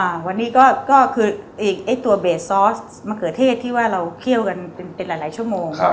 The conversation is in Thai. อ่าวันนี้ก็คือตัวเบสซอสมะเขือเทศที่ว่าเราเคี่ยวกันเป็นหลายชั่วโมง